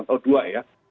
oh dua ya